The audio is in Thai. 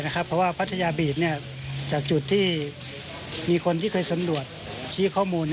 เพราะว่าพัทยาบีตจากจุดที่มีคนที่เคยสำรวจชี้ข้อมูล